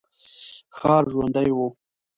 ښار ژوندی و.